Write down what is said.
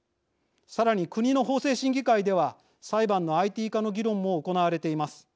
さらに国の法制審議会では裁判のＩＴ化の議論も行われています。